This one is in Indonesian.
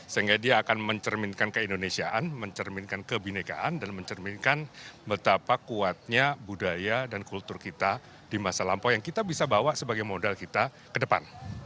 sehingga dia akan mencerminkan keindonesiaan mencerminkan kebinekaan dan mencerminkan betapa kuatnya budaya dan kultur kita di masa lampau yang kita bisa bawa sebagai modal kita ke depan